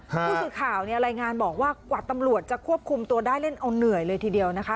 ผู้สื่อข่าวเนี่ยรายงานบอกว่ากว่าตำรวจจะควบคุมตัวได้เล่นเอาเหนื่อยเลยทีเดียวนะคะ